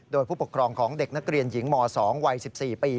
โดยผู้ปกครองของเด็กนักเรียนหญิงม๒วัย๑๔ปี